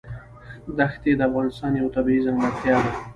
ښتې د افغانستان یوه طبیعي ځانګړتیا ده.